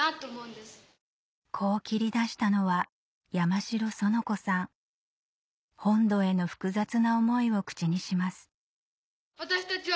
こう切り出したのは本土への複雑な思いを口にします